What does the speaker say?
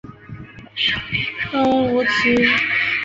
东吴骑都尉虞翻之孙。